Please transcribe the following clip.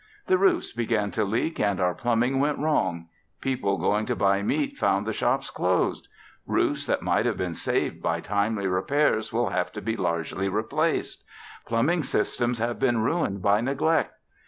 The roofs began to leak and our plumbing went wrong. People going to buy meat found the shops closed. Roofs that might have been saved by timely repairs will have to be largely replaced. Plumbing systems have been ruined by neglect.